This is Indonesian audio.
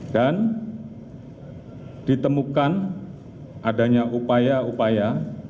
ditemukan adanya upaya upaya